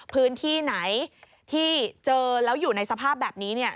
พื้นที่ไหนที่เจอแล้วอยู่ในสภาพแบบนี้